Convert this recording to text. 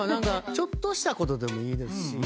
ちょっとしたことでもいいですし。